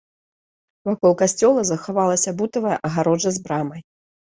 Вакол касцёла захавалася бутавая агароджа з брамай.